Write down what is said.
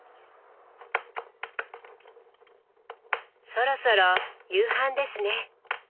そろそろ夕飯ですね。